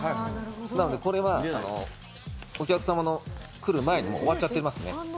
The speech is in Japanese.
なので、これはお客様の来る前に終わっちゃってますね。